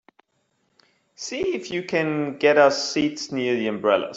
See if you can get us seats near the umbrellas.